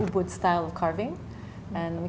dan kita namakan ini saraswati